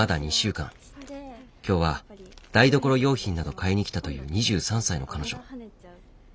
今日は台所用品など買いに来たという２３歳の彼女。